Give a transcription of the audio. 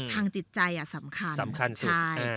ทางจิตใจสำคัญใช่